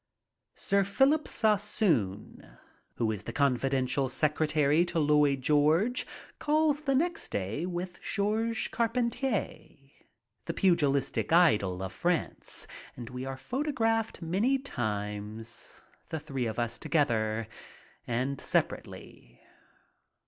Sir Philip Sassoon, who is the confidential secretary to Lloyd George, calls the next day with Georges Carpentier, the pugilistic idol of France, and we are photographed many times, the three of us together, and separately.